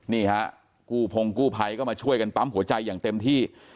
นี่ฮะกู้พงกู้ภัยก็มาช่วยกันปั๊มหัวใจอย่างเต็มที่